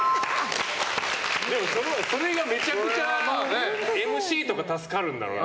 でもそれがめちゃくちゃＭＣとか助かる。